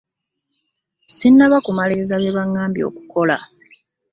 Sinnaba ku mmaliriza bye baŋŋambye okukola.